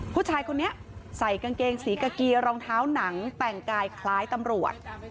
ผู้ชายคนนี้ใส่กางเกงสีกากีรองเท้าหนังแต่งกายคล้ายตำรวจ